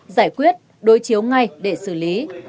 giải quyết đối chiếu ngay để xử lý